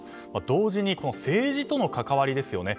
同時に政治との関わりですよね。